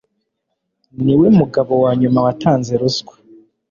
Niwe mugabo wanyuma watanze ruswa.